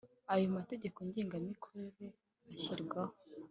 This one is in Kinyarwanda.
Ayo mategeko ngengamikorere ashyirwaho